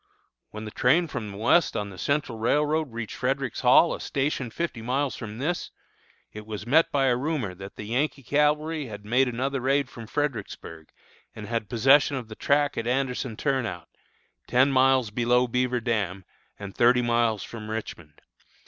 "When the train from the west on the Central Railroad reached Frederick's Hall, a station fifty miles from this, it was met by a rumor that the Yankee cavalry had made another raid from Fredericksburg, and had possession of the track at Anderson Turnout, ten miles below Beaver Dam, and thirty miles from Richmond.